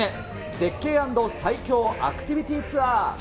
絶景＆最恐アクティビティーツアー。